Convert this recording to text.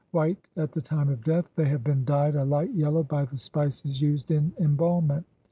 White at the time of death, they have been dyed a light yellow by the spices used in embalmment.